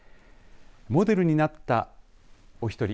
モデルになったお一人